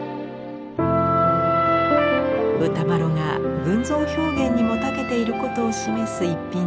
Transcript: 歌麿が群像表現にもたけていることを示す逸品です。